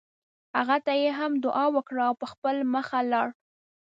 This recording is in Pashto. هغه ته یې هم دعا وکړه او په خپله مخه لاړ.